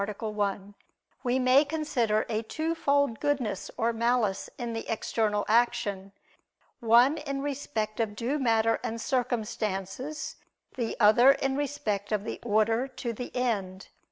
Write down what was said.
1), we may consider a twofold goodness or malice in the external action: one in respect of due matter and circumstances; the other in respect of the order to the end.